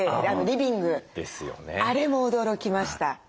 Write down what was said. あれも驚きました。